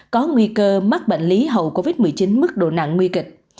có nguy cơ mắc bệnh lý hậu covid một mươi chín mức độ nặng nguy kịch